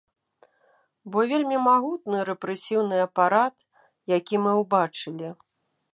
Бо вельмі магутны рэпрэсіўны апарат, які мы ўбачылі.